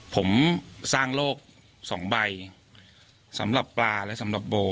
ผมสร้างโลกสองใบสำหรับปลาและสำหรับโบ